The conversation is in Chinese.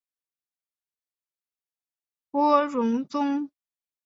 郭荣宗。